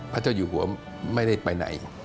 พระเจ้าอยู่หัวไม่ได้ไปไหน